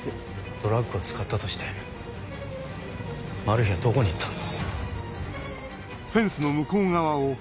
ドラッグを使ったとしてマルヒはどこに行ったんだ？